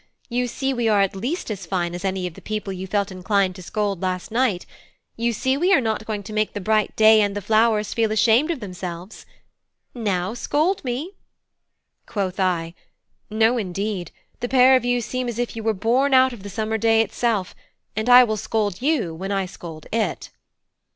you see we are at least as fine as any of the people you felt inclined to scold last night; you see we are not going to make the bright day and the flowers feel ashamed of themselves. Now scold me!" Quoth I: "No, indeed; the pair of you seem as if you were born out of the summer day itself; and I will scold you when I scold it."